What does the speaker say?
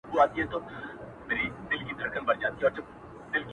چي ملګری د سفر مي د بیابان یې،